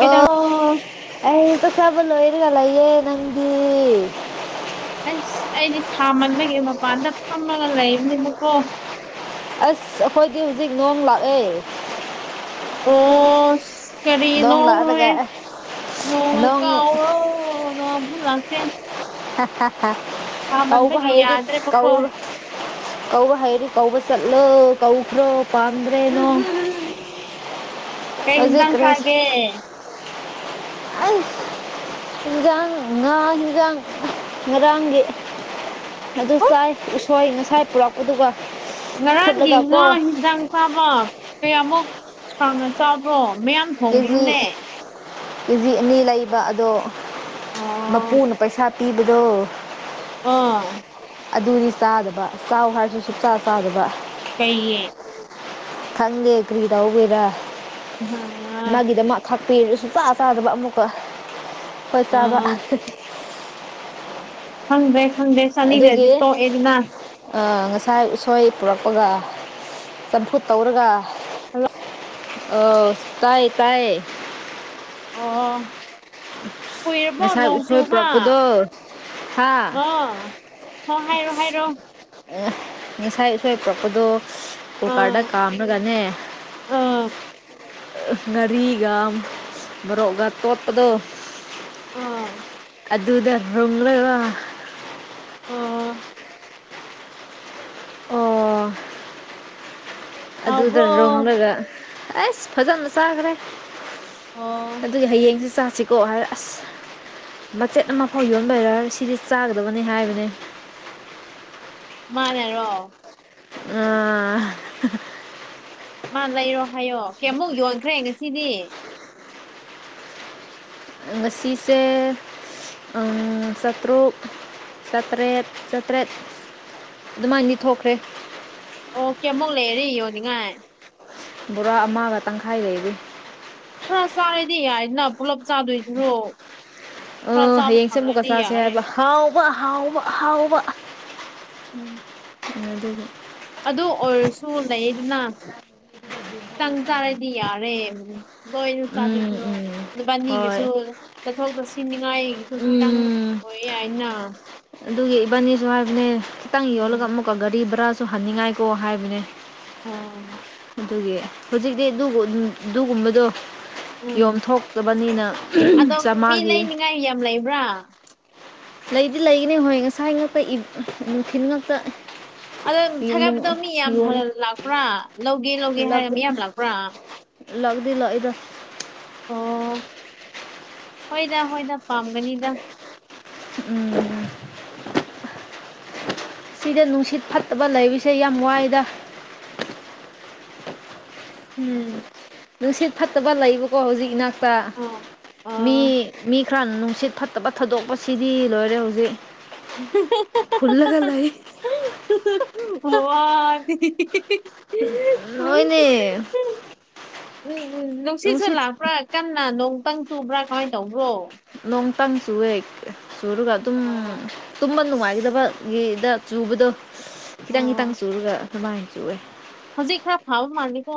ꯑꯦꯗꯣ ꯀ ꯆꯥꯕ ꯂꯣꯏꯔꯒ ꯂꯌꯦꯦ ꯅꯪꯗꯤ ꯑꯁ ꯑꯩꯗꯤ ꯁꯥꯃꯟꯕꯒꯤꯦ ꯃꯄꯥꯟꯗ ꯐꯝꯃꯒ ꯂꯩꯕꯅꯦꯕꯀꯣ ꯑꯁ ꯑꯩꯈꯣꯏꯗꯤ ꯍꯧꯖꯤꯛ ꯅꯣꯡ ꯂꯥꯛꯑꯦ ꯑꯣ ꯅꯣꯡ ꯂꯥꯛꯑꯒ ꯀꯔꯤꯅꯣꯅꯦ ꯑꯁ ꯅꯣꯡ ꯅꯣꯡꯉꯀ ꯑ ꯅ ꯂꯥꯛꯇ ꯍꯥ ꯀꯥꯎꯕꯨ ꯍꯥꯏꯗꯤ ꯌꯥꯗ꯭ꯔꯦꯕꯀꯣ ꯀꯥꯎ ꯀ ꯍꯥꯏꯩꯔꯤ ꯀꯧꯕ ꯆꯠꯂꯨ ꯀꯧꯈ꯭ꯔꯣ ꯄꯥꯟꯗ꯭ꯔꯦ ꯅꯣꯡ ꯀꯩ ꯍꯧꯖꯤꯛ ꯏꯟꯖꯥꯥꯡ ꯆꯒꯦ ꯑ ꯍꯤꯟꯖꯥꯡ ꯉꯥ ꯍꯤꯟꯖꯥꯡ ꯉꯔꯥꯡꯒꯤ ꯑꯗꯨ ꯍꯣꯏ ꯆꯥꯏ ꯎꯁꯣꯏ ꯉꯁꯥꯏ ꯄꯨꯔꯛꯄ ꯑꯗꯨꯒ ꯉꯔꯥꯡꯒꯤ ꯉꯥ ꯍꯤꯟꯗꯥꯡ ꯆꯥꯕ ꯀꯌꯥꯃꯨꯛ ꯁꯥꯡꯅ ꯆꯥꯕ꯭ꯔꯣ ꯃꯌꯥꯝ ꯊꯣꯡꯕ꯭ꯔꯨꯅꯦ ꯀꯦ ꯖꯤ ꯑꯅꯤ ꯂꯩꯕ ꯑꯗꯣ ꯑꯣ ꯃꯄꯨꯅ ꯄꯩꯁꯥ ꯄꯤꯕꯗꯣ ꯑꯥ ꯑꯗꯨꯗꯤ ꯆꯥꯗꯕ ꯆꯥꯎ ꯍꯥꯏꯔꯁꯨ ꯁꯨꯡꯛꯆꯥ ꯆꯥꯗꯕ ꯀꯩꯌꯦ ꯈꯪꯒꯦ ꯀꯔꯤꯔꯎꯕꯦꯔ ꯍꯝ ꯃꯥꯒꯤꯗꯃꯛ ꯊꯥꯛꯄꯤꯔꯁꯨ ꯆꯥ ꯆꯥꯗꯕ ꯑꯃꯨꯛꯀ ꯍꯣꯏ ꯑ ꯆꯥꯕ ꯈꯪꯗ꯭ꯔꯦ ꯈꯪꯗ꯭ꯔꯦ ꯆꯅꯤꯈ꯭ꯔꯗꯤ ꯑꯗꯨꯒꯤ ꯇꯣꯛꯑꯦꯗꯅ ꯉꯁꯥꯏ ꯎꯁꯣꯏ ꯄꯨꯔꯛꯄꯒ ꯆꯝꯐꯨꯠ ꯇꯧꯔꯒ ꯑ ꯇꯥꯏꯌꯦ ꯇꯥꯏꯌꯦ ꯑ ꯀꯨꯏꯔꯕꯣ ꯉꯁꯥꯏ ꯅꯣꯡ ꯎꯁꯣꯏ ꯆꯨꯕ ꯄꯨꯔꯛꯄꯗꯣ ꯍꯥ ꯑꯣ ꯍ ꯍꯥꯏꯔꯣ ꯍꯥꯏꯔꯣ ꯅꯤꯡꯅꯤꯁꯥꯏ ꯎꯣꯏ ꯄꯔꯛꯄꯗꯣ ꯑꯣ ꯀꯗ ꯑꯥ ꯀꯃ ꯀꯅꯤ ꯑꯥ ꯉꯔꯤꯒ ꯃꯔꯣꯔꯣꯛꯒ ꯇꯣꯞꯗ ꯑꯥ ꯑꯗꯨꯗ ꯔꯣꯕ ꯑꯣ ꯑꯣ ꯑꯗꯨꯗ ꯍꯥꯎꯕ꯭ꯔꯣ ꯔꯣꯝꯂꯒ ꯑꯁ ꯐꯖꯅ ꯆꯥꯈ꯭ꯔꯦ ꯑꯣ ꯑꯗꯨꯒꯤ ꯍꯌꯦꯡꯁ ꯆꯥꯁꯤꯀꯣ ꯍꯥꯏ ꯑꯁ ꯕꯆꯦꯠ ꯑꯃꯐꯥꯎ ꯌꯣꯟꯕꯔ ꯁꯤꯗꯤ ꯆꯥꯒꯗꯕꯅꯤ ꯍꯥꯏꯕꯅꯤ ꯃꯥꯅꯦꯔꯣ ꯑꯥ ꯃꯥ ꯂꯩꯔꯣ ꯍꯥꯏꯌꯣ ꯀꯦꯃꯨꯛ ꯌꯣꯟꯈ꯭ꯔꯦ ꯉꯁꯤꯗꯤ ꯉꯁꯤꯁꯦ ꯁꯇ꯭ꯔꯨꯛ ꯁꯥꯀ꯭ꯔꯦꯠ ꯁꯇ꯭ꯔꯦꯠ ꯑꯗꯨꯃꯥꯏꯅꯗꯤ ꯊꯣꯛꯈ꯭ꯔꯦ ꯑꯣꯀꯦꯃꯨꯛ ꯂꯩꯔꯤ ꯌꯣꯟꯅꯤꯡꯉꯥꯏ ꯕꯣꯔꯥ ꯑꯃꯒ ꯇꯪꯈꯥꯏ ꯂꯩꯔꯤ ꯍꯥ ꯁꯔꯗꯤ ꯏꯅ ꯄꯨꯂꯞ ꯆꯥꯗꯣꯏꯁꯤꯔꯣ ꯑ ꯈꯔ ꯆꯥꯕ ꯐꯪꯉꯅ ꯌꯥꯔꯦ ꯋꯥ ꯋꯥ ꯍꯥꯎ ꯋꯥ ꯍꯥꯎ ꯋꯥ ꯎꯝ ꯑꯗꯨ ꯑꯗꯨ ꯑꯣꯏꯔꯁꯨ ꯂꯩꯗꯅ ꯈꯤꯇꯪ ꯆꯥꯔ ꯗꯤ ꯌꯥꯔꯦ ꯂꯣꯏꯅ ꯎꯝ ꯆꯥꯗꯣꯏꯁꯤꯔꯣ ꯎꯝ ꯍꯣꯏ ꯅꯨꯕꯥꯅꯤꯒꯤꯁꯨ ꯆꯠꯊꯣꯛ ꯆꯠꯁꯤꯟꯅꯤꯡꯉꯥꯏꯒꯤꯁꯨ ꯈꯤꯇꯪ ꯎꯝ ꯍ ꯌꯥꯏꯅ ꯑꯗꯨꯒꯤ ꯏꯕꯥꯅꯤꯁꯨ ꯍꯥꯏꯕꯅꯦ ꯈꯤꯇꯪ ꯌꯣꯜꯂꯒ ꯎꯝ ꯑꯃꯨꯛꯀ ꯒꯥꯔꯤ ꯚꯔꯥꯁꯨ ꯍꯟꯅꯤꯡꯉꯥꯏꯀꯣ ꯍꯥꯏꯕꯅꯦ ꯑꯥ ꯑꯗꯨꯒꯤ ꯍꯧꯖꯤꯛꯇꯤ ꯑꯗꯨꯒꯨꯝꯕꯗꯣ ꯎꯝ ꯌꯣꯝꯊꯣꯛꯇꯕꯅꯤꯅ ꯑꯗꯣ ꯃꯤ ꯆꯥꯝꯃꯉꯥꯒꯤ ꯂꯩꯅꯤꯉꯥꯏ ꯌꯥꯝ ꯂꯩꯕ꯭ꯔꯥ ꯂꯩꯗꯤ ꯂꯩꯒꯅꯤ ꯍꯣꯏ ꯉꯁꯥꯏ ꯉꯥꯛꯇ ꯅꯨꯡꯊꯤꯜ ꯉꯥꯛꯇ ꯑꯗꯣ ꯊꯥꯒꯠꯄꯗꯣ ꯃꯤ ꯌꯥꯝ ꯂꯥꯛꯄ꯭ꯔꯥ ꯂꯧꯒꯦ ꯂꯧꯒꯦ ꯍꯥꯏꯔꯒ ꯃꯤ ꯌꯥꯝ ꯂꯥꯛꯄ꯭ꯔꯥ ꯂꯛꯗꯤ ꯂꯣꯏꯗ ꯑꯣ ꯍꯣꯏꯗ ꯍꯣꯏꯗ ꯄꯥꯝꯒꯅꯤꯗ ꯎꯝ ꯁꯤꯗ ꯅꯨꯡꯁꯤꯠ ꯐꯠꯇꯕ ꯂꯩꯔꯤꯁꯦ ꯌꯥꯝ ꯋꯥꯏꯗ ꯎꯝ ꯅꯨꯡꯁꯤꯠ ꯐꯠꯇꯕ ꯂꯩꯕꯀꯣ ꯍꯧꯖꯤꯛ ꯏꯅꯥꯛꯇ ꯑꯥ ꯃꯤ ꯑꯥ ꯃꯤ ꯈꯔ ꯅꯨꯡꯁꯤꯠ ꯐꯠꯇꯕ ꯊꯥꯗꯣꯛꯄꯁꯤꯗꯤ ꯂꯣꯏꯔꯦ ꯍꯧꯖꯤꯛ ꯐꯨꯜꯂꯒ ꯂꯩ ꯋꯥ ꯑꯣꯏꯅꯦ ꯎꯝ ꯎꯝ ꯅꯨꯡꯁꯤꯠꯁꯨ ꯂꯥꯛꯄ꯭ꯔꯥ ꯀꯟꯅ ꯅꯣꯡꯇꯪ ꯆꯨꯕ꯭ꯔꯥ ꯀꯃꯥꯏꯅ ꯇꯧꯕ꯭ꯔꯣ ꯅꯣꯡ ꯇꯥꯡ ꯆꯨꯋꯦ ꯆꯨꯔꯔꯒ ꯑꯗꯨꯝ ꯑꯣ ꯌꯥꯝ ꯅꯨꯡꯉꯥꯏꯒꯗꯕꯒꯤꯗ ꯆꯨꯕꯗꯣ ꯈꯤꯇꯪ ꯈꯤꯇꯪ ꯑꯣ ꯆꯨꯔꯒ ꯑꯗꯨꯃꯥꯏꯅ ꯆꯨꯑꯦ ꯍꯧꯖꯤꯛ ꯈꯔ ꯐꯥꯕ ꯃꯥꯜꯜꯂꯤꯀꯣ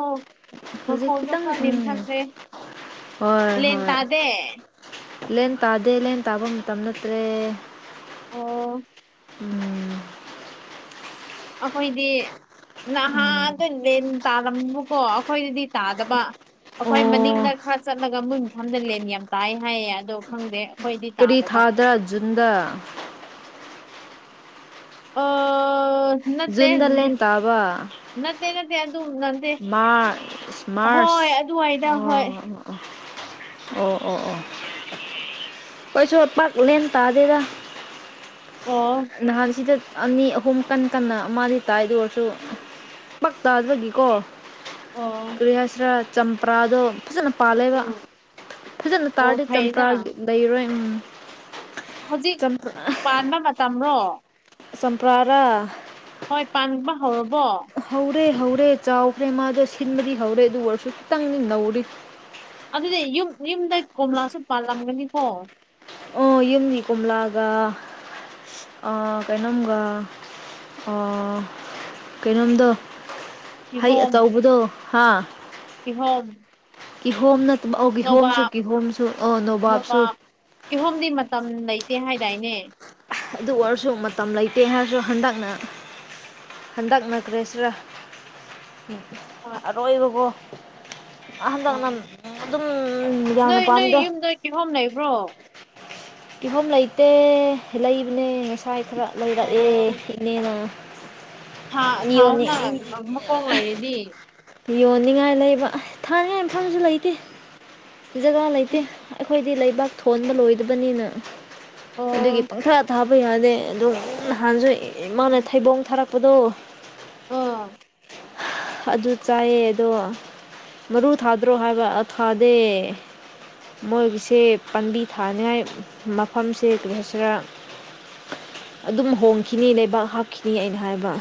ꯍꯧꯖꯤꯛ ꯃꯈꯣꯗꯣ ꯈꯤꯇꯪ ꯈꯔ ꯎꯝ ꯅꯅꯤꯊꯈ꯭ꯔꯦ ꯍꯣꯏ ꯂꯦꯟ ꯍꯣꯏ ꯇꯥꯗꯦ ꯂꯦꯟ ꯇꯥꯗꯦ ꯂꯦꯟ ꯇꯥꯕ ꯃꯇꯝ ꯅꯠꯇ꯭ꯔꯦ ꯑꯣ ꯎꯝ ꯑꯩꯈꯣꯏꯗꯤ ꯎꯝ ꯅꯍꯥꯗ ꯂꯦꯟ ꯇꯥꯂꯝꯕꯨꯀꯣ ꯑꯩꯈꯣꯏꯗꯗꯤ ꯇꯥꯗꯕ ꯑꯩꯈꯣꯏ ꯑꯣ ꯃꯅꯤꯡꯗ ꯈꯔ ꯆꯠꯂꯒ ꯃꯨꯟ ꯃꯐꯝꯗ ꯂꯦꯟ ꯌꯥꯝ ꯇꯥꯏ ꯍꯥꯏꯌꯦ ꯑꯗꯣ ꯈꯪꯗꯦ ꯑꯩꯈꯣꯏꯗꯤ ꯀꯔꯤ ꯇꯥꯗꯕ ꯊꯥꯗ꯭ꯔ ꯖꯨꯟꯗ ꯑ ꯅꯠꯇ ꯖꯨꯟꯗ ꯂꯦꯟ ꯅꯠꯇ ꯅꯠꯇ ꯑꯗꯨ ꯑꯗꯨ ꯅ ꯃꯥꯔꯆ ꯃꯥꯔꯁ ꯑꯗꯨꯋꯥꯏꯗ ꯍꯣꯏ ꯑꯣ ꯑꯣ ꯑꯣ ꯑꯣ ꯀꯩꯁꯨ ꯄꯛꯅꯦꯅ ꯇꯥꯗꯦꯗ ꯑꯣ ꯅꯍꯥꯟꯁꯤꯗ ꯑꯅꯤ ꯑꯍꯨꯝ ꯀꯟ ꯀꯟꯅ ꯑꯃꯗꯤ ꯇꯥꯏꯗ ꯑꯣꯏꯔꯁꯨ ꯕꯛ ꯇꯥꯕꯒꯤꯀꯣ ꯑꯣ ꯀꯔꯤꯍꯥꯏꯁꯤꯔꯥ ꯆꯝꯄ꯭ꯔꯥꯗꯣ ꯐꯖꯅ ꯄꯥꯜꯂꯦꯕꯥ ꯎꯝ ꯐꯖꯅ ꯑꯣ ꯇꯥꯔꯗꯤ ꯐꯩꯅ ꯆꯝꯄ꯭ꯔꯥ ꯂꯩꯔꯣꯏ ꯎꯝ ꯍꯧꯖꯤꯛ ꯆꯝꯄ꯭ꯔꯥ ꯄꯥꯟꯕ ꯃꯇꯝꯔꯣ ꯆꯝꯄ꯭ꯔꯥꯔꯥ ꯍꯣꯏ ꯄꯥꯟꯕ ꯍꯧꯔꯕꯣ ꯍꯧꯔꯦ ꯍꯧꯔꯦ ꯆꯥꯎꯈ꯭ꯔꯦ ꯃꯥꯗꯣ ꯁꯤꯟꯕꯗꯤ ꯍꯧꯔꯦ ꯑꯗꯨ ꯑꯣꯏꯔꯁꯨ ꯈꯤꯇꯪꯗꯤ ꯅꯧꯔꯤ ꯁꯤꯗꯤ [unintelligible] ꯌꯨꯝ ꯌꯨꯝꯗ ꯀꯣꯝꯂꯥꯁꯨ ꯄꯥꯜꯂꯝꯒꯅꯤꯀꯣ ꯑꯣ ꯌꯨꯝꯒꯤ ꯀꯣꯝꯂꯥꯒꯥ ꯑꯥ ꯀꯩꯅꯣꯝꯒꯥ ꯑꯥ ꯀꯩꯅꯣꯝꯗꯣ ꯍꯩ ꯀꯤꯍꯣꯝ ꯑꯆꯧꯕꯗꯣ ꯍꯥ ꯀꯤꯍꯣꯝ ꯀꯤꯍꯣꯝꯅ ꯑꯧ ꯀꯤꯍꯣꯝꯁꯨ ꯅꯣꯕꯥꯞ ꯀꯤꯍꯣꯝꯁꯨ ꯑ ꯅꯣꯕꯥꯞꯁꯨ ꯇ [unintelligible] ꯍꯥꯏꯗꯥꯏꯅꯦ ꯑꯗꯨ ꯑꯣꯏꯔꯁꯨ ꯃꯇꯝ ꯂꯩꯇꯦ ꯍꯥꯏꯔꯁꯨ ꯍꯟꯗꯛꯅ ꯍꯟꯗꯛ ꯅꯠꯇ꯭ꯔꯁꯨ ꯍꯣꯏ ꯑꯔꯣꯏꯕꯕꯣ ꯍꯟꯗꯛꯅ ꯑꯥ ꯑꯗꯨꯝ ꯌꯥꯝꯅ ꯄꯥꯝꯃꯤꯗꯥ ꯭ꯔꯣ ꯀꯤꯍꯣꯝ ꯂꯩꯇꯦ ꯂꯩꯕꯅꯦ ꯉꯁꯥꯏ ꯈꯔ ꯂꯩꯔꯛꯑꯦ ꯑꯣ ꯏꯅꯦꯅꯥ ꯊꯥ ꯊꯥꯎꯅ ꯃꯈꯣꯛ ꯂꯩꯔꯗꯤ ꯌꯣꯟꯅꯤꯡꯉꯥꯏ ꯂꯩꯕ ꯊꯥꯅꯉꯥꯏ ꯃꯐꯝꯁꯨ ꯂꯩꯇꯦ ꯖꯒꯥ ꯂꯩꯇꯦ ꯑꯩꯈꯣꯏꯗꯤ ꯂꯩꯕꯥꯛ ꯊꯣꯟꯕ ꯂꯣꯏꯗꯕꯅꯤꯅꯥ ꯑꯗꯨꯒꯤ ꯑꯣ ꯄꯪꯊꯥ ꯊꯥꯕ ꯌꯥꯗꯦ ꯑꯗꯨꯝ ꯅꯍꯥꯟꯁꯨ ꯏꯃꯥꯅ ꯊꯩꯕꯣꯡ ꯊꯥꯔꯛ ꯀꯀꯨꯗꯣꯛ [unintelligible] ꯑꯥ ꯑꯗꯨ ꯑꯗ [unintelligible] ꯆꯥꯏꯌꯦ ꯑꯗꯣ ꯃꯔꯨ ꯊꯥꯗ꯭ꯔꯣ ꯍꯥꯏꯕ ꯑ ꯊꯥꯗꯦ ꯃꯣꯏꯒꯤꯁꯦ ꯄꯥꯟꯕꯤ ꯊꯥꯅꯉꯥꯏ ꯃꯐꯝꯁꯦ ꯀꫪꯤ ꯍꯥꯏꯁꯤꯔꯥ ꯑꯗꯨꯝ ꯍꯣꯡꯈꯤꯅꯤ ꯂꯩꯕꯥꯛ ꯍꯥꯞꯈꯤꯅꯤ ꯑꯩꯅ ꯍꯥꯏꯕ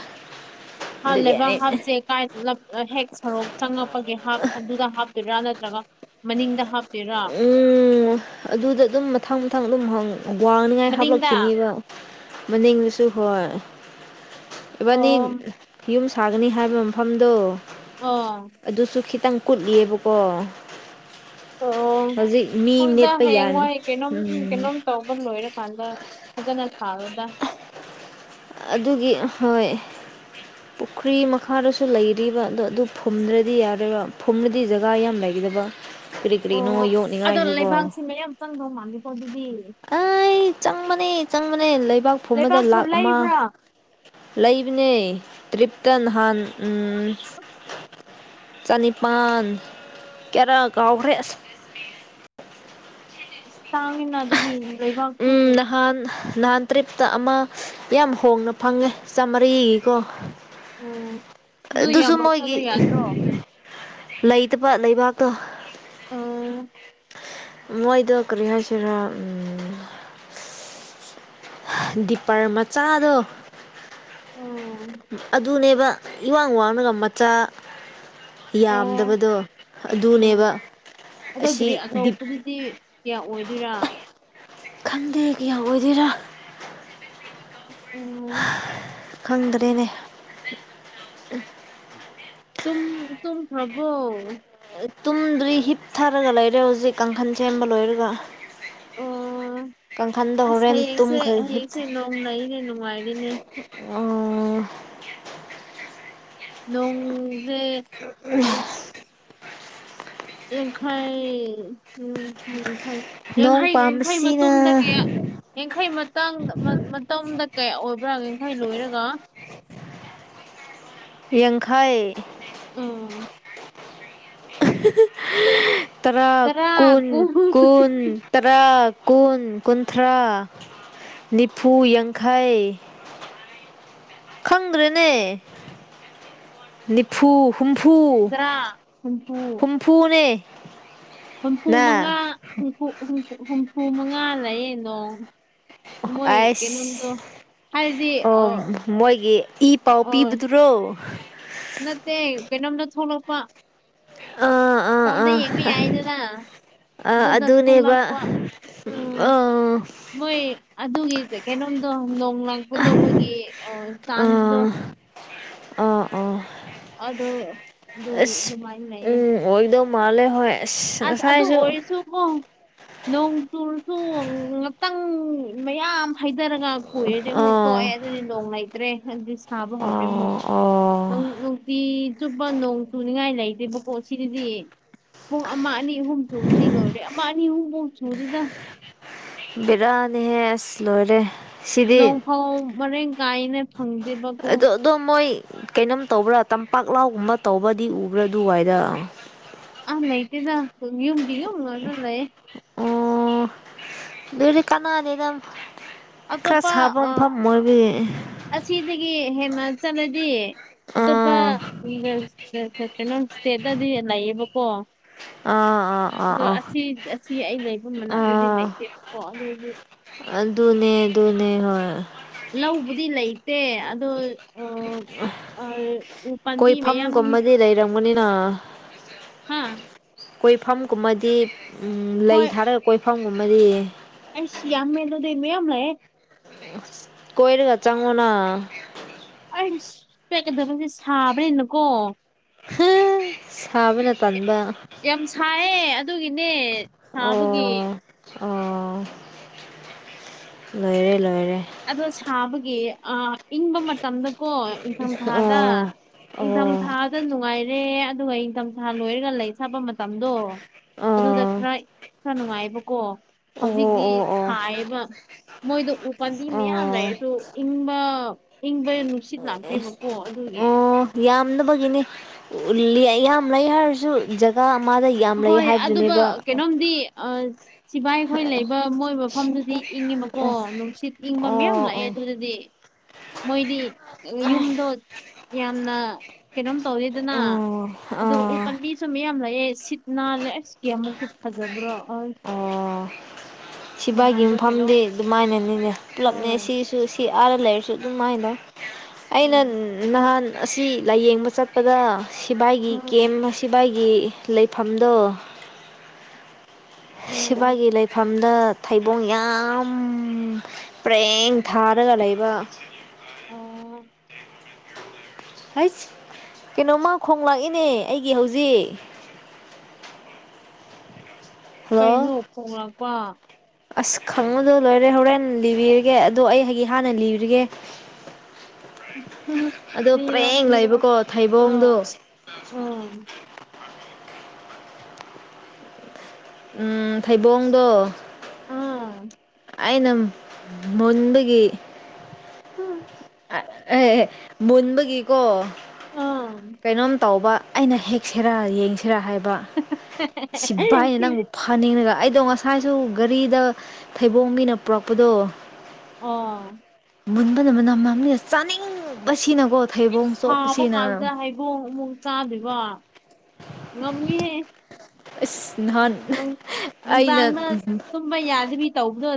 ꯑꯗꯨꯒꯤ ꯂꯩꯕꯥꯛ ꯑꯩꯅ ꯍꯥꯞꯁꯦ ꯀ ꯍꯦꯛ ꯁꯔꯣꯛ ꯆꯪꯉꯛꯄꯒꯦ ꯍꯥꯞ ꯑꯗꯨꯗ ꯍꯥ [unintelligible] ꯥꯟꯠꯇ꯭ꯔꯒ [unintelligible] ꯃꯅꯤꯡ ꯍꯥ ꯎꯝꯝꯝ ꯑꯗꯨꯗ ꯑꯗꯨꯝ ꯃꯊꯪ ꯃꯊꯪ ꯑꯗꯨꯝ ꯍꯪꯎ ꯋꯥꯡꯅꯉꯥꯏ ꯃꯅꯤꯡꯗ ꯍꯥꯞꯂꯛꯈꯤꯅꯤꯗꯣ ꯃꯅꯤꯡꯗꯨꯁꯨ ꯍꯣꯏ ꯏꯕꯥꯅꯤ ꯑꯣ ꯌꯨꯝ ꯁꯥꯒꯅꯤ ꯍꯥꯏꯕ ꯃꯐꯝꯗꯣ ꯑꯥ ꯑꯗꯨꯁꯨ ꯈꯤꯇꯪ ꯀꯨꯠꯂꯤꯌꯦꯕꯀꯣ ꯍꯧꯖꯤꯛ ꯃꯤ ꯍꯣꯏꯗꯥ ꯅꯦꯠꯄ ꯌꯥꯟ ꯍꯌꯦꯡꯋꯥꯏ ꯀꯩꯅꯣꯝ ꯎꯝ ꯀꯩꯅꯣꯝ ꯇꯧꯕ ꯂꯣꯏꯔꯀꯥꯟꯗꯥ ꯐꯖꯅ ꯁꯥꯔꯣ ꯏ [inaudible] ꯑꯗꯨꯒꯤ ꯍꯣꯏ ꯄꯨꯈ꯭ꯔꯤ ꯃꯈꯥꯗꯁꯨ ꯂꯩꯔꯤꯕ ꯑꯗꯣ ꯑꯗꯨ ꯐꯨꯝꯗ꯭ꯔꯗꯤ ꯌꯔꯣꯏꯕ ꯐꯨꯝꯕꯗꯤ ꯖꯒꯥ ꯌꯥꯝ ꯂꯩ ꯗ [inaudible] ꯀꯔꯤ ꯀꯔꯤꯅꯣ ꯑꯣ ꯑꯗꯣ ꯌꯣꯛꯅꯉꯥꯏꯁꯨ ꯀꯣ ꯂꯩꯕꯥꯛꯁꯦ ꯃꯌꯥꯝ ꯆꯪꯗꯧ ꯃꯥꯜꯂꯦꯀꯣ ꯑꯗꯨꯗꯤ ꯑꯩ ꯆꯪꯕꯅꯦ ꯆꯪꯕꯅꯦ ꯂꯩ ꯂꯩꯕꯥꯛ ꯐꯨꯝꯕꯗ ꯂꯩꯕꯥꯛꯁꯨ ꯂꯥꯛ ꯑꯃ ꯂꯩꯕ꯭ꯔꯥ ꯂꯩꯕꯅꯦ ꯇ꯭ꯔꯤꯞꯇ ꯅꯍꯥꯟ ꯎꯝ ꯆꯅꯤꯄꯥꯟ ꯀꯌꯥꯔꯥ ꯀꯥꯎꯈ꯭ꯔꯦ ꯑꯁ ꯇꯥꯡꯉꯦꯅꯥ ꯑꯗꯨꯗꯤ ꯂꯩꯕꯥꯛꯁꯨ ꯎꯝ ꯅꯍꯥꯟ ꯅꯍꯥꯟ ꯇ꯭ꯔꯤꯞꯇ ꯑꯃꯥ ꯌꯥꯝ ꯍꯣꯡꯅ ꯐꯪꯉꯦ ꯆꯥꯝꯃꯔꯤꯀꯣ ꯎꯝ ꯑꯗꯨ ꯌꯥꯝ ꯑꯗꯨꯁꯨ ꯃꯣꯏꯒꯤ ꯂꯧꯁꯜꯂꯨ ꯌꯥꯗ꯭ꯔꯣ ꯂꯩꯇꯕ ꯂꯩꯕꯥꯛꯇꯣ ꯎ [inaudible] ꯃꯣꯏꯗ ꯀꯔꯤ ꯍꯥꯏꯁꯤꯔꯥ ꯗꯤꯄꯔ ꯃꯆꯥꯗꯣ ꯎꯝ ꯑꯗꯨꯅꯦꯕ ꯏꯋꯥꯡ ꯋꯥꯡꯅꯒ ꯃꯆꯥ ꯑꯣ ꯌꯥꯝꯗꯕꯗꯣ ꯎꯝ ꯑꯗꯨꯅꯦꯕ ꯑꯗꯣ ꯒꯔꯤ ꯑꯁꯤ ꯗꯤꯞ ꯑꯆꯧꯕꯗꯨꯗꯤ ꯀꯌꯥ ꯑꯣꯏꯗꯣꯏꯔꯥ ꯈꯟꯗꯦ ꯀꯌꯥ ꯑꯣꯏꯗꯣꯏꯔꯥ ꯎ ꯎ [inaudible] ꯈꯪꯗ꯭ꯔꯦꯅꯦ ꯇꯨꯝ ꯇꯨꯝꯀꯔ꯭ꯕꯣ ꯇꯨꯝꯗ꯭ꯔꯤ ꯍꯤꯞꯊꯥꯔꯒ ꯂꯩꯔꯦ ꯍꯧꯖꯤꯛ ꯀꯥꯡꯈꯟ ꯁꯦꯝꯕ ꯂꯣꯏꯔꯒ ꯑꯣ ꯑꯣ ꯀꯥꯡꯈꯟꯗ ꯑꯁ ꯍꯣꯔꯦꯟ ꯍꯌꯦꯡꯁꯦ ꯇꯨꯝꯈ꯭ꯔꯦ ꯍꯤꯞ ꯍꯌꯦꯡꯁꯦ ꯅꯣꯡ ꯂꯩꯔꯦꯅꯦ ꯅꯨꯡꯉꯥꯏꯔꯤꯅꯦ ꯎꯑ [inaudible] ꯅꯣꯡꯖꯦ ꯆꯤꯡꯈꯩ [inaudible] ꯎꯝ ꯎꯝ ꯐꯩ ꯅꯣꯡ ꯌꯥꯡꯈꯩ ꯌꯥꯡꯈꯩ ꯃꯇꯨꯡꯗ ꯄꯥꯝꯕꯁꯤꯅ ꯀꯌꯥ ꯌꯥꯡꯈꯩ ꯃꯇꯥꯡ ꯃꯇꯝꯗ ꯀꯌꯥ ꯑꯣꯏꯕ꯭ꯔꯥ ꯌꯥꯡꯈꯩ ꯂꯣꯏꯔꯒ [unintelligible] ꯌꯪꯈꯩ ꯑ [inaudible] ꯇꯔꯥ ꯀꯨꯟ ꯀꯨꯟ ꯇꯔꯥ ꯀꯨꯟ ꯀꯨꯟꯊ꯭ꯔꯥ ꯅꯤꯐꯨ ꯌꯥꯡꯈꯩ [unintelligible] ꯈꯪꯗ꯭ꯔꯦꯅꯦ ꯅꯤꯐꯨ ꯍꯨꯝꯐꯨ ꯍꯨꯝꯗ꯭ꯔꯥ ꯍꯨꯝꯐꯨ ꯍꯨꯝꯐꯨꯅꯦ ꯍꯨꯝꯐꯨ ꯅ ꯃꯉꯥꯝ ꯍꯨꯝꯐꯨ ꯃꯉꯥ ꯂꯩꯌꯦ ꯅꯣ ꯑꯩꯁ ꯑꯣ ꯃꯣꯏꯒꯤ ꯏ ꯄꯥꯎ ꯑꯣ ꯄꯤꯕꯗꯨꯔꯣ ꯀꯩꯅꯅꯣꯝꯅ ꯊꯣꯂꯛꯄ [inaudible] ꯑꯥ ꯑꯥ ꯐꯣꯜꯗ ꯗ ꯑꯥ ꯌꯦꯕ ꯌꯥꯏꯗꯥꯅ ꯑ ꯑꯗꯨꯅꯦꯕ ꯎꯝ ꯑ ꯃꯣꯏ ꯑꯗꯨꯒꯤ ꯀꯩꯅꯣꯝꯗꯣ ꯅꯣꯡ ꯂꯥꯛꯄ ꯇꯧꯕꯒꯤ ꯆꯥꯟꯁꯗꯣ ꯑꯥ ꯑ [inaudible] ꯑꯗꯨ ꯑꯗꯨ ꯑꯗꯨꯃꯥꯏꯅ ꯂꯩꯌꯦ ꯃꯥꯂꯦ ꯍ ꯑ ꯑꯗꯨ ꯑꯗꯨ ꯑꯣꯏꯜꯁꯨ ꯍꯣ ꯅꯣꯡ ꯆꯨꯔꯁꯨ ꯉꯥꯛꯇꯪ ꯃꯌꯥꯝ ꯍꯥꯏ ꯐꯥꯊꯔꯒ ꯀꯨꯏꯔꯗꯤ ꯑꯃꯨꯛ ꯇꯣꯛꯑꯦ ꯑꯥ ꯑꯗꯨꯗꯤ ꯅꯣꯡ ꯂꯩꯇ꯭ꯔꯦ ꯑꯗꯨ ꯁꯥꯕ ꯍꯧꯋꯦ ꯑꯃꯨꯛ ꯑꯣ ꯑꯣ ꯅꯨꯡꯇꯤ ꯆꯨꯞꯄꯣꯡ ꯆꯨꯅꯤꯡꯉꯥꯏ ꯂꯩꯇꯦꯕꯀꯣ ꯁꯤꯗꯗꯤ ꯑꯣꯅꯤ ꯅꯤ ꯑꯍꯨꯝ ꯁꯨꯕꯗꯤ ꯂꯣꯏꯔꯦ ꯑꯃ ꯑꯅꯤ ꯑꯍꯨꯝꯃꯨꯛ ꯁꯨꯔꯤꯗ ꯕꯦꯔꯥꯅꯤꯍꯦ ꯑꯁ ꯂꯣꯏꯔꯦ ꯁꯤꯗꯤ ꯅꯣꯡꯐꯥꯎ ꯃꯔꯥꯡ ꯀꯥꯏꯅ ꯐꯪꯗꯦꯕꯀꯣ ꯑꯗꯣ ꯑꯗꯣ ꯃꯣꯏ ꯀꯩꯅꯣꯝ ꯇꯧꯕ꯭ꯔꯥ ꯇꯝꯄꯥꯛ ꯂꯥꯎꯒꯨꯝꯕ ꯇꯧꯕꯗꯤ ꯎꯕ꯭ꯔꯥ ꯑꯗꯨꯋꯥꯏꯗ ꯑ ꯂꯩꯇꯦꯗꯨ ꯃ ꯀꯉ ꯎꯅ ꯂꯩꯦ ꯗꯨꯔꯤ ꯀꯅꯥꯗꯦꯅꯝ ꯑꯇꯣꯞꯄ ꯑ ꯑꯁꯤꯗꯒꯤ ꯍꯦꯟꯅ ꯆꯠꯂꯗꯤ ꯑꯇꯣꯞꯄ ꯑꯥ ꯏꯣꯁꯦꯗꯗꯤ ꯂ ꯂꯩꯕꯣ ꯑꯥ ꯑꯥ ꯑꯥ ꯑꯗꯣ ꯑꯥ ꯑꯁꯤ ꯑꯁꯤ ꯑꯩ ꯂꯩꯐꯝ ꯃꯅꯥꯗꯨꯗꯤ ꯂꯩꯇꯦꯕꯀꯣ ꯑꯗꯨꯏꯗꯤ ꯑꯗꯨ ꯑꯗꯨꯅꯦ ꯑꯗꯨꯅꯦ ꯍꯣꯏ ꯂꯕꯨꯗꯤ ꯂꯩ ꯁꯦ ꯑꯗꯣ ꯎ ꯄꯥꯕꯤ ꯃꯌꯥꯝ ꯃꯃꯅꯤꯅ ꯍꯥꯝ ꯀꯣꯏꯐꯝꯒꯨꯝꯕꯗꯤ ꯂꯩ ꯊꯥꯔꯒ ꯀꯣꯏꯐꯝꯒꯨꯝꯕꯗꯤ ꯑꯁꯤ ꯌꯥꯌꯥꯃꯅꯣꯗꯃꯦ ꯌꯥꯝ ꯑꯃꯂꯌꯦ ꯀꯣꯏꯔꯒ ꯆꯪꯉꯣꯅ ꯑꯩ ꯄꯦꯛꯀꯗꯕꯁꯦ ꯁꯥꯕꯅꯤꯅꯀꯣ ꯍꯥ ꯁꯥꯕꯅ ꯇꯟꯕ ꯌꯥꯝ ꯁꯥꯏꯌꯦ ꯑꯗꯨꯒꯤꯅꯦ ꯁꯥꯕꯒꯤ ꯑꯣ ꯑꯣ ꯂꯣꯏꯔꯦ ꯂꯣꯏꯔꯦ ꯑꯗꯣ ꯁꯥꯕꯒꯤ ꯑ ꯏꯪꯕ ꯃꯇꯝꯗꯀꯣ ꯏꯪꯊꯝꯊꯥꯗ ꯑꯣ ꯑꯣ ꯏꯪꯊꯝꯊꯥꯗ ꯅꯨꯡꯉꯥꯏꯔꯦ ꯑꯗꯨꯒ ꯏꯪꯊꯝꯊꯥ ꯂꯣꯏꯔꯒ ꯂꯩ ꯆꯠꯄ ꯃꯇꯝꯗꯣ ꯑꯣ ꯑꯗꯨꯗ ꯈꯔ ꯈꯔ ꯅꯨꯡꯉꯥꯏꯕꯀꯣ ꯑꯣ ꯍꯧꯖꯤꯛꯇꯤ ꯑꯣ ꯑꯣ ꯁꯥꯏꯌꯦꯕ ꯃꯣꯏꯗ ꯎ ꯄꯥꯟꯗꯤꯃꯦ ꯑꯣ ꯍꯥꯏꯁꯨ ꯏꯪꯕ ꯏꯪꯕ ꯅꯨꯡꯁꯤꯠ ꯂꯥꯛꯇꯦꯕꯀꯣ ꯑꯗꯨꯒꯤ ꯉꯝꯅꯕꯒꯤꯅꯤ ꯌꯥꯝ ꯂꯩ ꯍꯥꯏꯔꯁꯨ ꯖꯒꯥ ꯑꯃꯗ ꯌꯥꯝ ꯂꯩ ꯍꯣꯏ ꯑꯗꯨꯒ ꯍꯥꯏꯕꯗꯨꯅꯦꯕ ꯀꯩꯅꯣꯝꯗꯤ ꯁꯤꯕꯥꯏ ꯑꯩꯈꯣꯏ ꯂꯩꯕ ꯃꯣꯏ ꯃꯐꯝꯗꯨꯗꯤ ꯏꯪꯉꯤꯕꯀꯣ ꯅꯨꯡꯁꯤꯠ ꯏꯪꯕ ꯃꯌꯥꯝ ꯑꯣ ꯑꯣ ꯂꯥꯛꯑꯦ ꯑꯗꯨꯗꯗꯤ ꯃꯣꯏꯗꯤ ꯌꯨꯝꯗꯣ ꯌꯥꯝꯅ ꯀꯩꯅꯣꯝ ꯇꯧꯔꯤꯗꯅ ꯑꯣ ꯑꯣ ꯑꯗꯨꯒ ꯎ ꯑꯣ ꯄꯥꯝꯕꯤꯁꯨ ꯃꯌꯥꯝ ꯂꯩꯑꯦ ꯁꯤꯠ ꯅꯅꯥꯅꯦꯦ ꯑꯁ ꯀꯃꯨꯛꯁꯨ ꯐꯖꯕ꯭ꯔꯣ ꯑ ꯁꯤꯚꯏꯒꯤ ꯃꯐꯝꯗꯤ ꯑꯗꯨꯃꯥꯏꯅꯅꯤꯅꯦ ꯄꯨꯂꯞꯅꯦ ꯍꯣꯏ ꯁꯤꯁꯨ ꯁꯤ ꯑ ꯂꯩꯔꯁꯨ ꯑꯗꯨꯃꯥꯏꯅꯧ ꯑꯩꯅ ꯎꯝ ꯅꯍꯥꯟ ꯑꯁꯤ ꯂꯥꯏꯌꯦꯡꯕ ꯆꯠꯄꯗ ꯁꯤꯐꯏꯒꯤ ꯎꯝ ꯀꯦꯝ ꯁꯤꯐꯏꯒꯤ ꯂꯩꯐꯝꯗꯣ ꯎꯝ ꯁꯤꯐꯥꯏꯒꯤ ꯂꯩꯐꯝꯗ ꯊꯩꯕꯣꯡ ꯌꯥꯝ ꯄ꯭ꯔꯦꯡ ꯊꯥꯔꯒ ꯂꯩꯕ ꯑꯣ ꯍꯁ ꯀꯩꯅꯣꯃ ꯈꯣꯡꯂꯥꯛꯏꯅꯦ ꯑꯩꯒꯤ ꯍꯧꯖꯤꯛ [inaudible] ꯍꯜꯂꯣ ꯀꯩꯅꯣ ꯐꯣꯡꯂꯛꯄ ꯑꯁ ꯈꯪꯉꯨꯗꯣ ꯂꯣꯏꯔꯦ ꯍꯣꯔꯦꯟ ꯂꯤꯕꯤꯔꯒꯦ ꯑꯗꯣ ꯑꯩꯒꯤ ꯍꯥꯟꯅ ꯂꯤꯕꯤꯔꯤꯒꯦ ꯔꯣꯔꯣ ꯂꯩꯕꯀꯣ ꯊꯩꯕꯣꯡꯗꯣ ꯑꯝ ꯎꯝ ꯎꯝ ꯊꯩꯕꯣꯡꯗꯣ ꯑꯥ ꯑꯩꯅ ꯃꯨꯟꯕꯒꯤ ꯎꯝ ꯑꯦ ꯃꯨꯟꯕꯒꯤꯀꯣ ꯑꯥ ꯀꯩꯅꯣꯝ ꯇꯧꯕ ꯑꯩꯅ ꯍꯦꯛꯁꯤꯔꯥ ꯌꯦꯡꯁꯤꯔꯥ ꯍꯥꯏꯕ ꯁꯤ ꯚꯏꯅ ꯅꯪꯕꯨ ꯐꯅꯤꯡꯉꯒ ꯑꯩ ꯑꯗꯣ ꯉꯁꯥꯏꯁꯨ ꯒꯥꯔꯤꯗ ꯊꯩꯕꯣꯡ ꯃꯤꯅ ꯄꯨꯔꯛꯄꯗꯣ ꯑ ꯃꯨꯟꯕꯅ ꯃꯅ ꯃꯥꯡꯃꯤꯅ ꯆꯥꯅꯤꯡꯕ ꯁꯥꯕ ꯀꯥꯟꯁꯤꯗ ꯍꯩꯕꯣꯡ ꯑꯃꯃꯨꯡ ꯆꯥꯗꯣꯏꯕ ꯉꯝꯃꯤꯦ ꯑꯁ ꯅꯍꯥꯟ ꯑꯩꯅ ꯅꯨꯡꯗꯥꯡꯅ ꯇꯨꯝꯕ ꯌꯥꯗꯕꯤ ꯇꯧꯕꯗꯣ